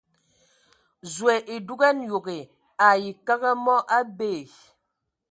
Zoe a dugan yoge ai kǝg a mɔ, a bee !